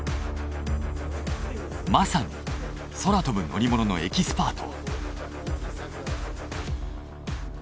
まさに空飛ぶ乗り物のエキスパート。